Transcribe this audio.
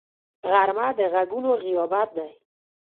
غرمه د غږونو غیابت دی